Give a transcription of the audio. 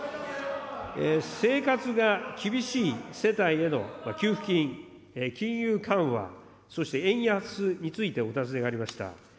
生活が厳しい世帯への給付金、金融緩和、そして円安についてお尋ねがありました。